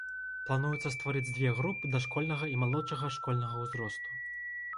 Плануецца стварыць дзве групы дашкольнага і малодшага школьнага ўзросту.